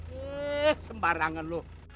eh sembarangan lu